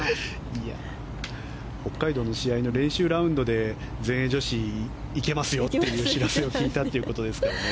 北海道の試合の練習ラウンドで全英女子行けますよっていう知らせを聞いたということですからね。